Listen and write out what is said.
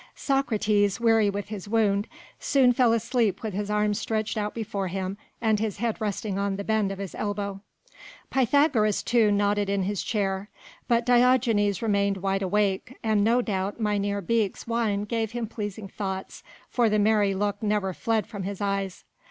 Socrates, weary with his wound, soon fell asleep with his arms stretched out before him and his head resting in the bend of his elbow. Pythagoras too nodded in his chair; but Diogenes remained wide awake, and no doubt Mynheer Beek's wine gave him pleasing thoughts, for the merry look never fled from his eyes.